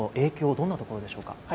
どんなところでしょうか。